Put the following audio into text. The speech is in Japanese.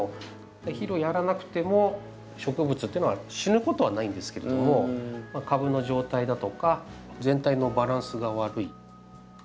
肥料をやらなくても植物っていうのは死ぬことはないんですけれども株の状態だとか全体のバランスが悪い。